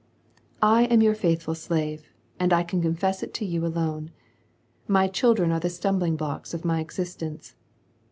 "I am your faithful slave, and I can confess it to you alone. My children are the stumbling blocks of my existence.